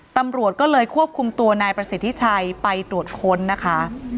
ตำรวจก็เลยควบคุมตัวนายประสิทธิชัยไปตรวจค้นนะคะ